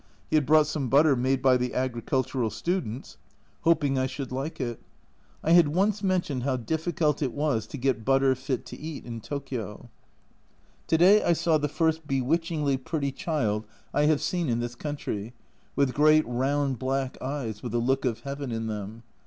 He had brought some butter, made by the agricultural students, hoping I should like it. I had once mentioned how difficult it was to get butter fit to eat in Tokio. To day I saw the first bewitchingly pretty child I 142 A Journal from Japan have seen in this country with great round black eyes, with a look of heaven in them.